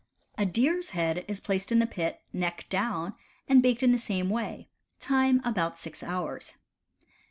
A deer's head is placed in the pit, neck down, and baked in the same way: time about six hours.